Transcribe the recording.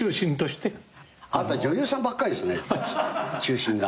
あなた女優さんばっかりですね中心が。